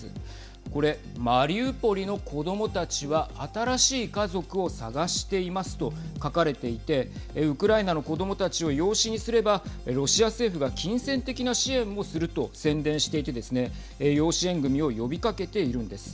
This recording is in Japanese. これ、マリウポリの子どもたちは新しい家族を探していますと書かれていてウクライナの子どもたちを養子にすればロシア政府が金銭的な支援もすると宣伝していてですね養子縁組を呼びかけているんです。